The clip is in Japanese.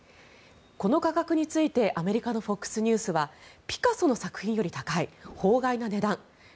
この価格についてアメリカのＦＯＸニュースはピカソの作品より高い法外な値段